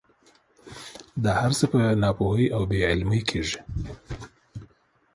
دا هر څه په ناپوهۍ او بې علمۍ کېږي.